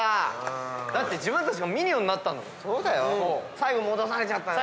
最後戻されちゃった。